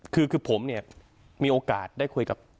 คือผมเนี่ยมีโอกาสได้คุยกับ